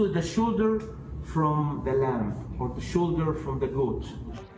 dan juga kaki dari lamba atau kaki dari goda